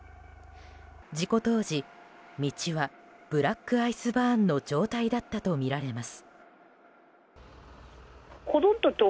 事故当時道はブラックアイスバーンの状態だったとみられます。